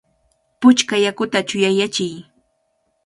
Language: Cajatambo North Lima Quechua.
¡Puchka yakuta chuyayachiy!